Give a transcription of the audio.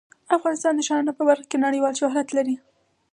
افغانستان د ښارونه په برخه کې نړیوال شهرت لري.